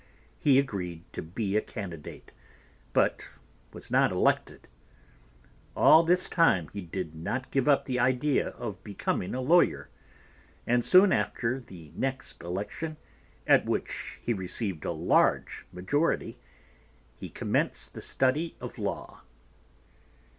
He agreed to be a candidate, but was not elected. All this time he did not give up the idea of becoming a lawyer, and soon after the next election, at which he received a large majority, he commenced the study of law.